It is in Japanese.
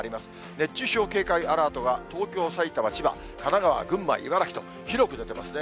熱中症警戒アラートが東京、埼玉、千葉、神奈川、群馬、茨城と広く出てますね。